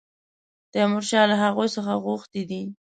تیمورشاه له هغوی څخه غوښتي دي.